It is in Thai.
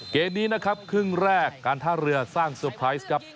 เกมนี้นะครับครึ่งแรกการท่าเรือสร้างเซอร์ไพรส์ครับ